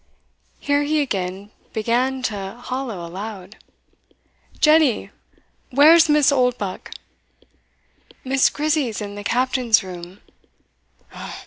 " Here he again began to hollow aloud "Jenny, where's Miss Oldbuck?" "Miss Grizzy's in the captain's room."